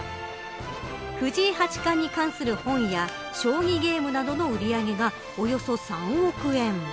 藤井八冠に関する本や将棋ゲームなどの売り上げがおよそ３億円。